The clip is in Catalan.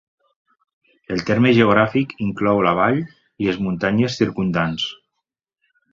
El terme geogràfic inclou la vall i les muntanyes circumdants.